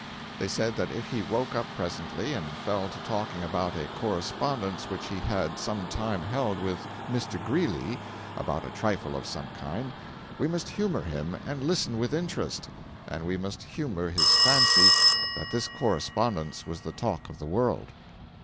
They said that if he woke up presently and fell to talking about a correspondence which he had some time held with Mr. Greeley about a trifle of some kind, we must humor him and listen with interest; and we must humor his fancy that this correspondence was the talk of the world.